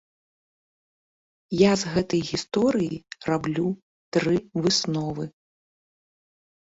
Я з гэтай гісторыі раблю тры высновы.